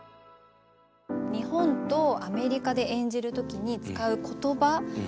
日本とアメリカで演じる時に使う言葉。